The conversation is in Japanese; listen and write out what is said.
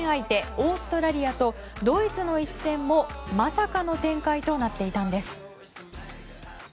オーストラリアとドイツの一戦も、まさかの展開となっていたんです。